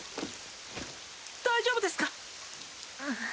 大丈夫ですか？